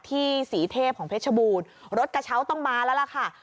ที่ศรีเทพของเพชรบูรณ์รถกระเช้าต้องมาแล้วล่ะค่ะ